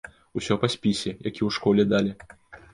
Усё па спісе, які ў школе далі.